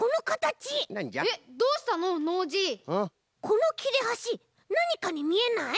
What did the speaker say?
このきれはしなにかにみえない？